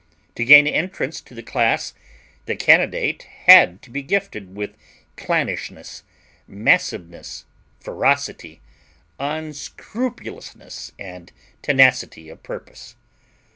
To gain entrance to the class, the candidate had to be gifted with clannishness, massiveness, ferocity, unscrupulousness, and tenacity of purpose.